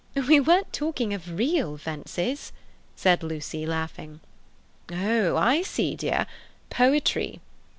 "We weren't talking of real fences," said Lucy, laughing. "Oh, I see, dear—poetry."